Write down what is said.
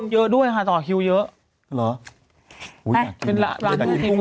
เยอะด้วยค่ะต่อคิวเยอะหรออุ้ยเป็นร้านร้านกินกุ้ง